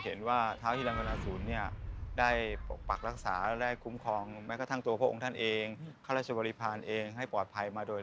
หล่อท้าวฮิรันภนาศูนย์ไว้ประจำที่พระราชบังพยาไทย